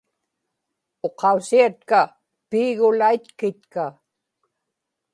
uqausiatka piigulaitkitka